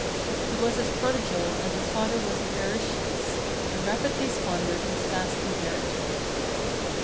He was as prodigal as his father was avaricious, and rapidly squandered his vast inheritance.